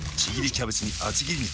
キャベツに厚切り肉。